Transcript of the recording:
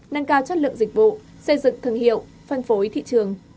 nâng cao chất lượng dịch vụ xây dựng thương hiệu phân phối thị trường